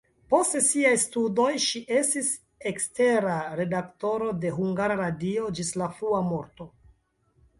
Post siaj studoj ŝi estis ekstera redaktoro de Hungara Radio ĝis la frua morto.